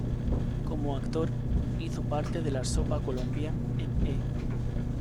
Como actor hizo parte de "La Sopa Colombia" en E!